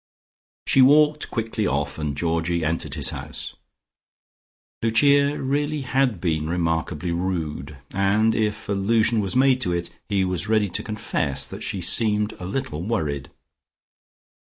She walked quickly off, and Georgie entered his house. Lucia had really been remarkably rude, and, if allusion was made to it, he was ready to confess that she seemed a little worried.